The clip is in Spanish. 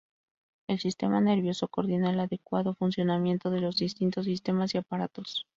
El sistema nervioso coordina el adecuado funcionamiento de los distintos sistemas y aparatos.